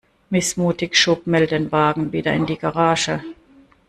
Missmutig schob Mel den Wagen wieder in die Garage.